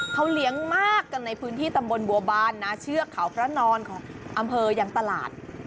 เขาเลี้ยงมากกันในพื้นที่ตำบลบัวบานนะเชือกเขาพระนอนของอำเภอยังตลาด